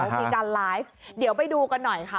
มีการไลฟ์เดี๋ยวไปดูกันหน่อยค่ะ